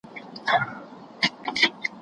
د لويي جرګې په تالار کي څه ډول فضا حاکمه ده؟